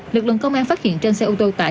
lực lượng công an phát hiện trên xe ô tô tải